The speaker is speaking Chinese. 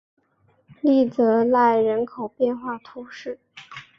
利泽赖人口变化图示